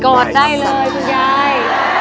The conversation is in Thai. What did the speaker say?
อดได้เลยคุณยาย